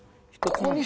ここに？